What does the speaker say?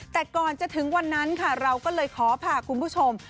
แต่ก่อนจะถึงวันนั้นค่ะเราก็เลยขอพาคุณผู้ชม